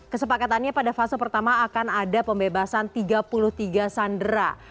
kesepakatannya pada fase pertama akan ada pembebasan tiga puluh tiga sandera